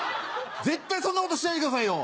絶対そんなことしないでくださいよ。